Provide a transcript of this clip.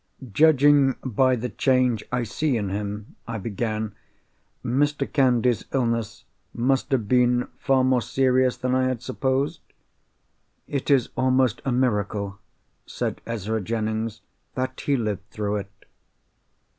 "Judging by the change I see in him," I began, "Mr. Candy's illness must have been far more serious than I had supposed?" "It is almost a miracle," said Ezra Jennings, "that he lived through it."